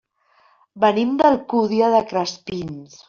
Venim de l'Alcúdia de Crespins.